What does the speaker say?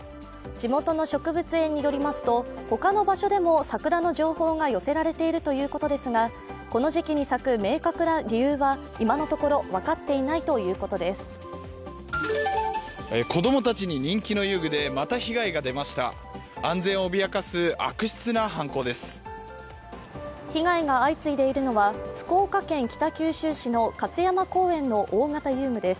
地元の植物園によりますと他の場所でも桜の情報が寄せられているということですがこの時期に咲く明確な理由は今のところ分かっていないということです。